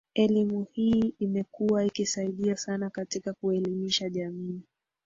elimu hii imekuwa ikisaidia sana katika kuelimisha jamii